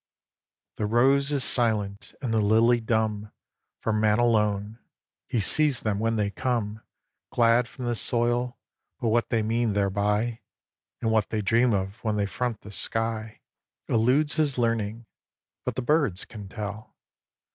xvii. The rose is silent, and the lily dumb For Man alone. He sees them when they come Glad from the soil; but what they mean thereby, And what they dream of, when they front the sky, Eludes his learning. But the birds can tell.